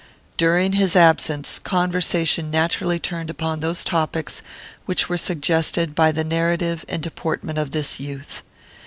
During his absence, conversation naturally turned upon those topics which were suggested by the narrative and deportment of this youth.